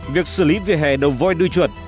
việc xử lý vỉa hè đầu vôi đu chuột